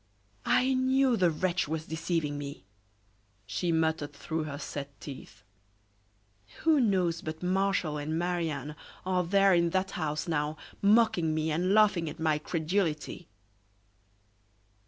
"I knew the wretch was deceiving me," she muttered through her set teeth. "Who knows but Martial and Marie Anne are there in that house now, mocking me, and laughing at my credulity?"